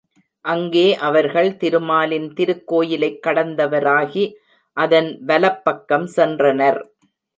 அங்கே அவர்கள் திருமாலின் திருக்கோயிலைக் கடந்தவராகி அதன் வலப்பக்கம் சென்றனர்.